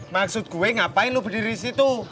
maksud gue ngapain lu berdiri disitu